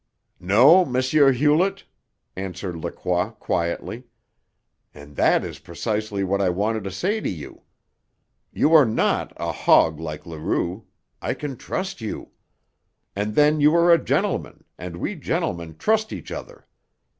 "No, M. Hewlett," answered Lacroix quietly. "And that is precisely what I wanted to say to you. You are not a hog like Leroux; I can trust you. And then you are a gentleman, and we gentlemen trust each other.